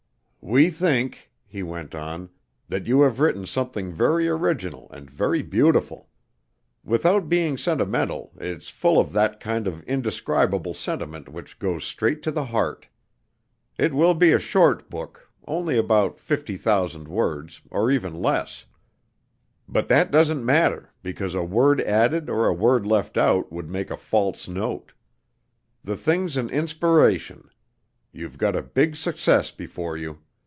"We think," he went on, "that you have written something very original and very beautiful. Without being sentimental, it's full of that kind of indescribable sentiment which goes straight to the heart. It will be a short book, only about fifty thousand words, or even less; but that doesn't matter, because a word added or a word left out would make a false note. The thing's an inspiration. You've got a big success before you.